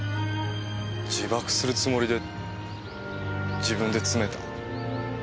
自爆するつもりで自分で詰めた。